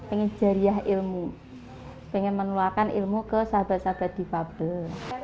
pengen jariah ilmu pengen menularkan ilmu ke sahabat sahabat difabel